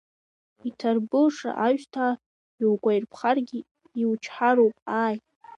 Иҭарбылша аҩсҭаа иугәаирԥхаргьы, иучҳароуп, ааи.